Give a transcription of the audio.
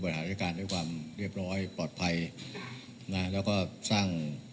บริหารโดยการให้ความเรียบร้อยปลอดภัยนะแล้วก็สร้าง